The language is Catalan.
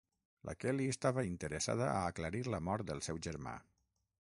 La Kelly estava interessada a aclarir la mort del seu germà.